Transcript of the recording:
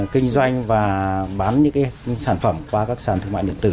kinh doanh và bán những sản phẩm qua các sàn thương mại điện tử